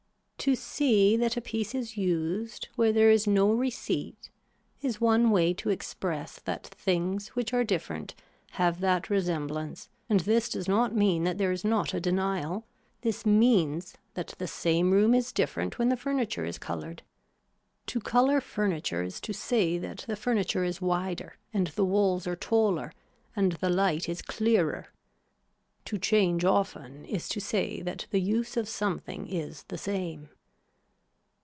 To see that a piece is used where there is no receipt is one way to express that things which are different have that resemblance and this does not mean that there is not a denial, this means that the same room is different when the furniture is colored. To color furniture is to say that the furniture is wider and the walls are taller and the light is clearer. To change often is to say that the use of something is the same.